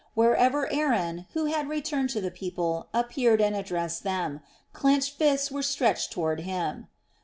Wherever Aaron, who had returned to the people, appeared and addressed them, clenched fists were stretched toward him.